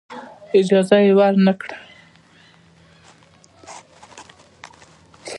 اجازه یې ورنه کړه.